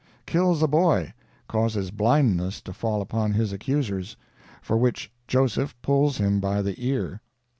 "Kills a boy; causes blindness to fall upon his accusers, for which Joseph pulls him by the ear."